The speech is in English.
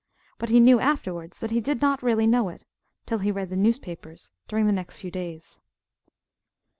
But he knew, afterwards, that he did not really know it till he read the newspapers during the next few days.